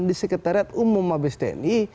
di sekretariat umum mabes tni